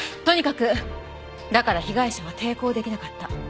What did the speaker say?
とにかくだから被害者は抵抗できなかった。